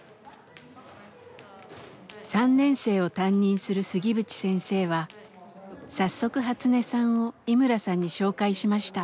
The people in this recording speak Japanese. ３年生を担任する杉渕先生は早速ハツネさんを井村さんに紹介しました。